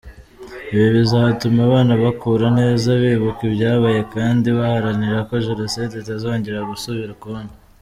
Ibi bizatuma abana bakura neza bibuka ibyabaye kandi baharanira ko Jenoside itazongera gusubira ukundi.